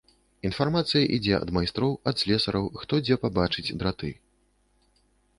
Інфармацыя ідзе ад майстроў, ад слесараў, хто дзе пабачыць драты.